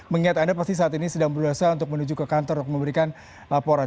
mengingat anda pasti saat ini sedang berusaha untuk menuju ke kantor untuk memberikan laporan